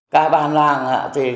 các bàn làng ạ thì